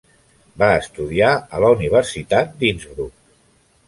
Va estudiar a la Universitat d'Innsbruck.